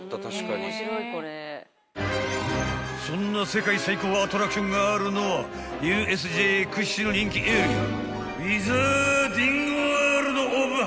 ［そんな世界最高アトラクションがあるのはＵＳＪ屈指の人気エリア］